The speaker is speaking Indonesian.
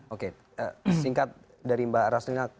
oke singkat dari mbak raslina